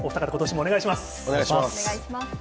お願いします。